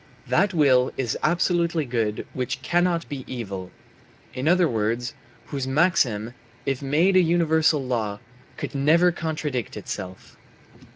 That will is absolutely good which cannot be evil in other words, whose maxim, if made a universal law, could never contradict itself.